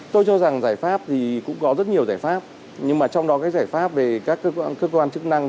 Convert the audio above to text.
tôi cho rằng giải pháp thì cũng có rất nhiều giải pháp nhưng mà trong đó cái giải pháp về các cơ quan chức năng